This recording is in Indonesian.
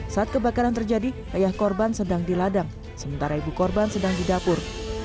saat kebakaran terjadi ayah korban sedang di ladang sementara ibu korban sedang di dapur